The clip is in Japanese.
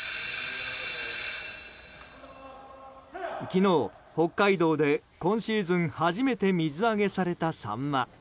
昨日、北海道で今シーズン初めて水揚げされたサンマ。